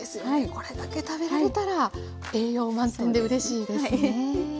これだけ食べられたら栄養満点でうれしいですね。